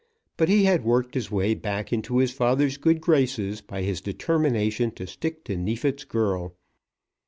But he had worked his way back into his father's good graces by his determination to stick to Neefit's girl.